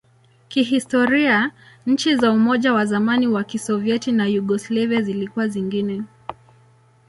Kihistoria, nchi za Umoja wa zamani wa Kisovyeti na Yugoslavia zilikuwa zingine.